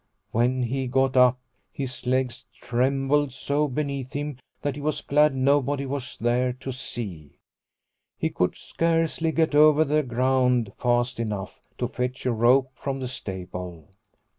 When he got up, his legs trembled so beneath The Fox pit 119 him that he was glad nobody was there to see. He could scarcely get over the ground fast enough to fetch a rope from the stable.